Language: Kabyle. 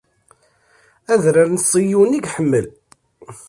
Adrar n Ṣiyun i iḥemmel.